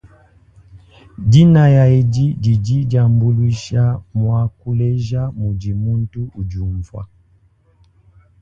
Dinaya edi didi diambuluisha muakuleja mudi muntu udiumva.